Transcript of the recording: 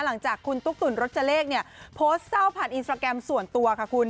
หลังจากคุณตุ๊กตุ๋นรจเลขเนี่ยโพสต์เศร้าผ่านอินสตราแกรมส่วนตัวค่ะคุณ